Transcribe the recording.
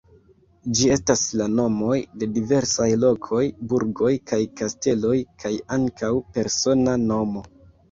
Ĝi estas la nomoj de diversaj lokoj, burgoj kaj kasteloj kaj ankaŭ persona nomo.